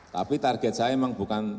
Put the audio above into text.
tapi target saya memang bukan tujuh puluh dua